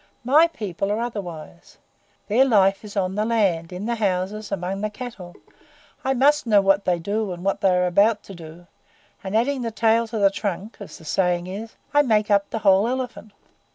MY people are otherwise. Their life is on the land, in the houses, among the cattle. I must know what they do, and what they are about to do; and adding the tail to the trunk, as the saying is, I make up the whole elephant.